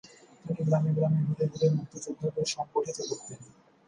তিনি গ্রামে গ্রামে ঘুরে ঘুরে মুক্তিযোদ্ধাদের সংগঠিত করতেন।